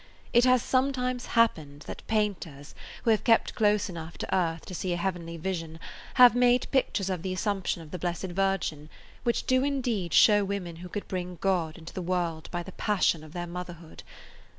It has sometimes happened that painters who have kept close enough to earth to see a heavenly vision have made pictures of the assumption of the Blessed Virgin which do [Page 169] indeed show women who could bring God into the world by the passion of their motherhood.